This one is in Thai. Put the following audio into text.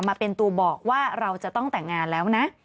มาเป็นตัวบอกว่าเราจะต้องแต่งงานแล้วนะ